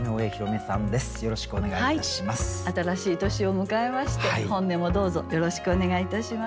新しい年を迎えまして本年もどうぞよろしくお願いいたします。